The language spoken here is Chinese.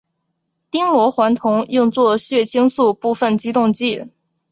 丁螺环酮用作血清素部分激动剂。